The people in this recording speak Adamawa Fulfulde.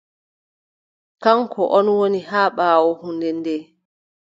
Kaŋko ɗon woni haa ɓaawo hunnde nde.